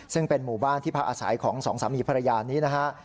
ซึ่งเป็นหมู่บ้านที่พักอาศัยของสองสามีภรรยานี้นะฮะ